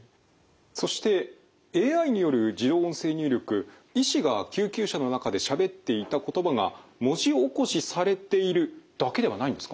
そしてＡＩによる自動音声入力医師が救急車の中でしゃべっていた言葉が文字起こしされているだけではないんですか？